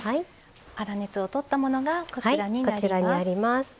粗熱を取ったものがこちらになります。